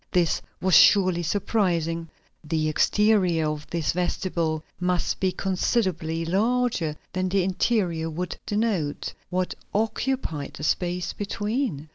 This was surely surprising. The exterior of this vestibule must be considerably larger than the interior would denote. What occupied the space between?